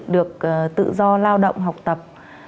được tự do lao động học tập